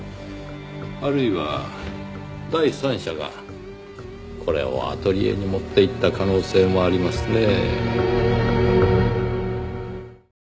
あるいは第三者がこれをアトリエに持って行った可能性もありますねぇ。